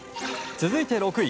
続いて６位。